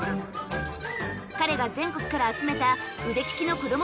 彼が全国から集めた腕利きのこども